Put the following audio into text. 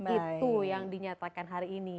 itu yang dinyatakan hari ini